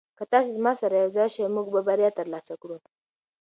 که تاسي زما سره یوځای شئ موږ به بریا ترلاسه کړو.